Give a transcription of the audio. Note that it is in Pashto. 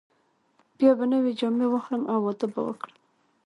بیا به نوې جامې واخلم او واده به وکړم.